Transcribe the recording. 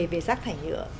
về rác thải nhựa